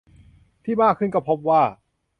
ที่มากขึ้นก็พบว่า